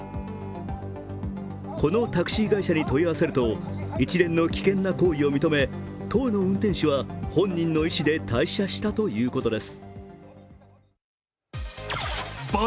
このタクシー会社に問い合わせると、一連の危険な行為を認め、当の運転手は本人の意思で退社したということです。